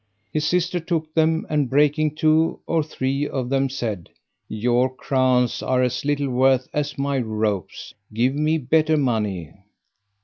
His sister took them, and breaking two or three of them said, "Your crowns are as little worth as my ropes, give me better money."